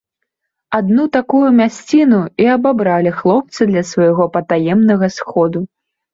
Адну такую мясціну і абабралі хлопцы для свайго патаемнага сходу.